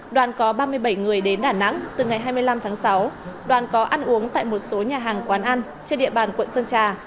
đoàn có ba mươi bảy người đến đà nẵng từ ngày hai mươi năm tháng sáu đoàn có ăn uống tại một số nhà hàng quán ăn trên địa bàn quận sơn trà